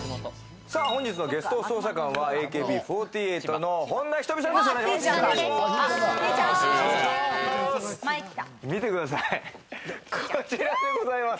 本日のゲスト捜査官はＡＫＢ４８の本田仁美さんです。